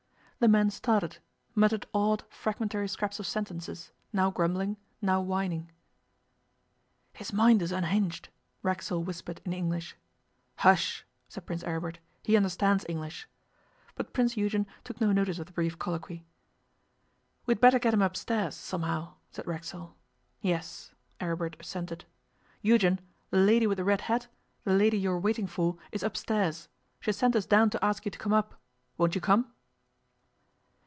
The man started, muttered odd, fragmentary scraps of sentences, now grumbling, now whining. 'His mind is unhinged,' Racksole whispered in English. 'Hush!' said Prince Aribert. 'He understands English.' But Prince Eugen took no notice of the brief colloquy. 'We had better get him upstairs, somehow,' said Racksole. 'Yes,' Aribert assented. 'Eugen, the lady with the red hat, the lady you are waiting for, is upstairs. She has sent us down to ask you to come up. Won't you come?